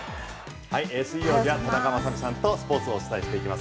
水曜日は田中雅美さんとスポーツをお伝えしていきます。